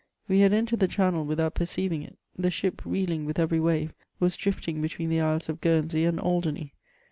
We had entered the channel without perceiiring it : the ship reeling with every waye^ was drifting hetween the Isles of Guernsey and Aldemey.